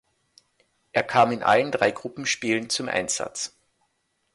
Er kam in allen drei Gruppenspielen zum Einsatz.